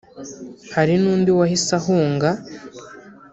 hari n’undi wahise ahunga